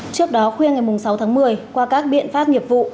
trước đó khuya ngày sáu tháng một mươi qua các biện pháp nghiệp vụ